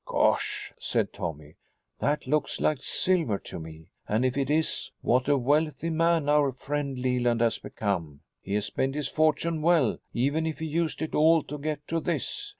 "Gosh!" said Tommy. "That looks like silver to me. And, if it is, what a wealthy man our friend Leland has become. He has spent his fortune well, even if he used it all to get to this."